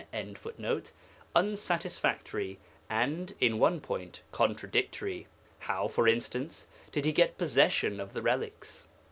] unsatisfactory and (in one point) contradictory. How, for instance, did he get possession of the relics?